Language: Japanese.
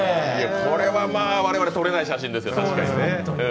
これは我々、確かに撮れない写真です。